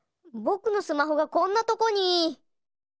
ぼくのスマホがこんなとこに！